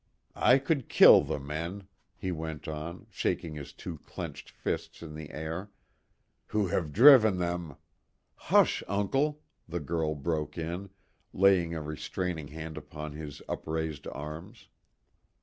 I could kill the men," he went on, shaking his two clenched fists in the air, "who have driven them " "Hush, uncle!" the girl broke in, laying a restraining hand upon his upraised arms.